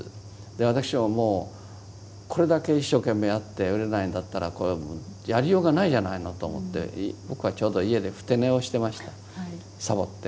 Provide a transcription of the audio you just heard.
私ももうこれだけ一生懸命やって売れないんだったらこれもうやりようがないじゃないのと思って僕はちょうど家でふて寝をしてましたさぼって。